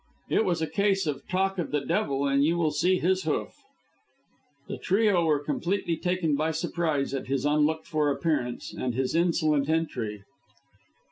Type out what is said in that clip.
It was a case of "Talk of the Devil and you will see his hoof." The trio were completely taken by surprise at his unlooked for appearance and his insolent entry.